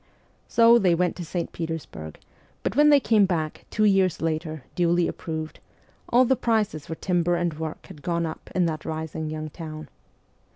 So they went to St. Petersburg ; but SIBERIA 213 when they came back, two years later, duly approved, all the prices for timber and work had gone up in that rising young town.